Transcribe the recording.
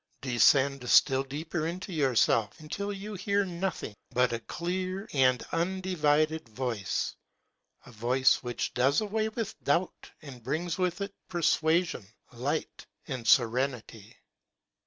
Descend still deeper into yourself, until you hear nothing but a clear and undivided voice, a voice which does away with doubt and brings with it persuasion, light, and serenity.